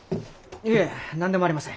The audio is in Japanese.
いえ何でもありません。